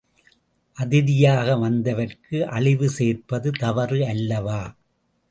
அதிதியாக வந்தவருக்கு அழிவு சேர்ப்பது தவறு அல்லவா!